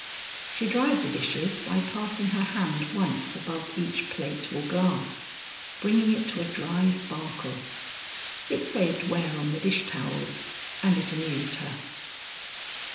She dried the dishes by passing her hand once above each plate or glass, bringing it to a dry sparkle. It saved wear on the dishtowels, and it amused her.